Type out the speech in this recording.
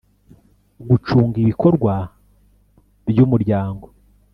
Gucunga ibikorwa by umuryango